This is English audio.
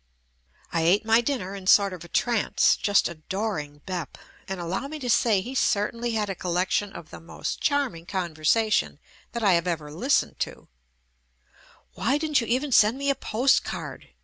I ate my dinner in sort of a trance, just adoring "Bep," and allow me to say he cer tainly had a collection of the most charming conversation that I have ever listened to. "Why didn't you even send me a postcard?"